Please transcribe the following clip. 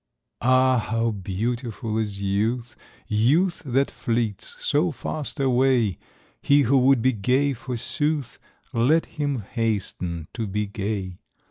AH, how beautiful is youth, Youth that fleets so fast away 1 He who would be gay, forsooth. Let him hasten to be gay